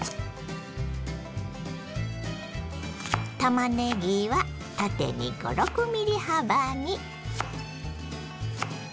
たまねぎは縦に５６ｍｍ幅に。